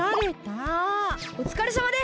おつかれさまです！